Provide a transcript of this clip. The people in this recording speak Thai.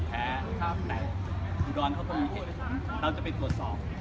แต่บุกฎลก็ก็พูดที่เราจะไปตรวจสอบ